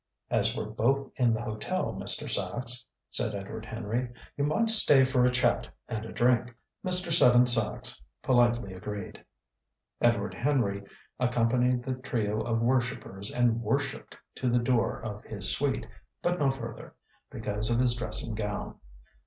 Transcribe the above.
"As we're both in the hotel, Mr. Sachs," said Edward Henry, "you might stay for a chat and a drink." Mr. Seven Sachs politely agreed. Edward Henry accompanied the trio of worshippers and worshipped to the door of his suite, but no further, because of his dressing gown.